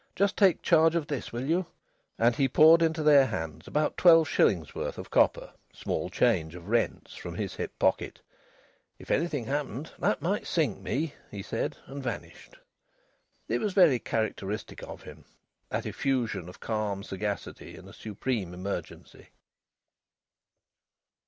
"Just take charge of this, will you?" And he poured into their hands about twelve shillings' worth of copper, small change of rents, from his hip pocket. "If anything happened, that might sink me," he said, and vanished. It was very characteristic of him, that effusion of calm sagacity in a supreme emergency.